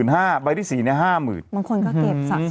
ถ้าวิทยายก็แอบจะเข้าใจ